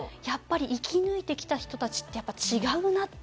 生き抜いてきた人たちってやっぱ違うなって。